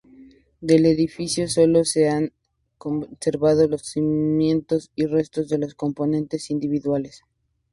Del edificio sólo se han conservado los cimientos y restos de los componentes individuales.